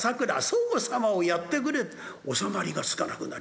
宗吾様をやってくれ」と収まりがつかなくなりました。